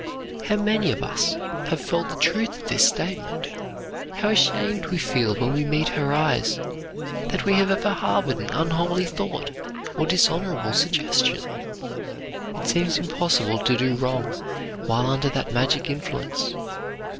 How many of us have felt the truth of this statement! How ashamed we feel when we meet her eyes, that we have ever harbored an unholy thought, or dishonorable suggestion! It seems impossible to do wrong while under that magic influence.